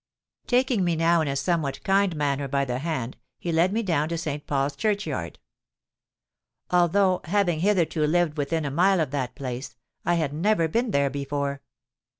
"Taking me now in a somewhat kind manner by the hand, he led me down to St. Paul's Churchyard. Although having hitherto lived within a mile of that place, I had never been there before.